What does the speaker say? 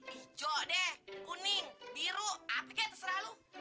ijo deh kuning biru apa kek terserah lo